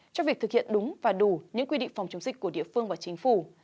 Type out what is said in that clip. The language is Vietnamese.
cho việc thực hiện đúng và đủ những quy định phòng chống dịch của địa phương và chính phủ